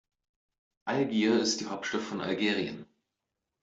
Algier ist die Hauptstadt von Algerien.